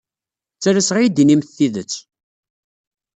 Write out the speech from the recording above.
Ttalaseɣ ad iyi-d-tinimt tidet.